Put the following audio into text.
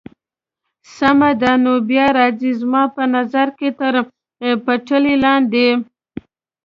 سمه ده، نو بیا راځئ، زما په نظر که تر پټلۍ لاندې.